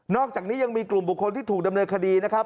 อกจากนี้ยังมีกลุ่มบุคคลที่ถูกดำเนินคดีนะครับ